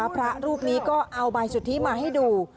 พระรูปนี้ก็เอาใบสุทธิมาให้ดู